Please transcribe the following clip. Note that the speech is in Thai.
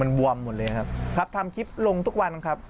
มันวอร์มหมดเลยครับทำคลิปลงทุกวันครับ